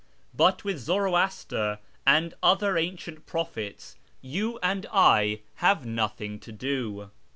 But with Zoroaster and other ancient prophets you and I have notliing to do.